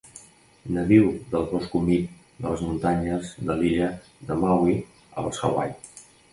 Nadiu del bosc humit de les muntanyes de l'illa de Maui, a les Hawaii.